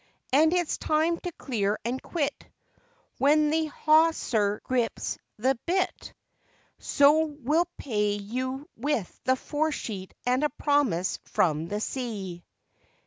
And it's time to clear and quit When the hawser grips the bitt, So we'll pay you with the foresheet and a promise from the sea!